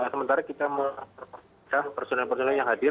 sementara kita personel personel yang hadir